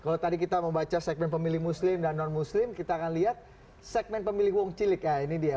kalau tadi kita membaca segmen pemilih muslim dan non muslim kita akan lihat segmen pemilih wong cilik ya ini dia